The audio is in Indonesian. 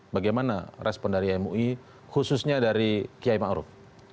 bagaimana respon dari mui khususnya dari ki haji ma'ruf